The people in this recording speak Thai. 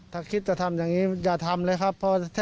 ถ้าคิดจะทำอย่างนี้อย่าทำเลยครับ